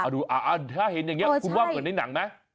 ดูค่ะถ้าเห็นอย่างนี้คุณว่าเกิดในหนังไหม